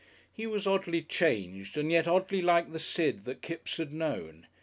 He was oddly changed and yet oddly like the Sid that Kipps had known.